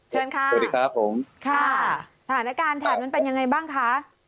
เชิญค่ะสวัสดีครับผมค่ะสถานการณ์แถบนั้นเป็นยังไงบ้างคะ